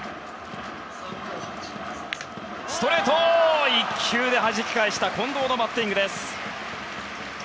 ストレート、１球ではじき返した近藤のバッティングです。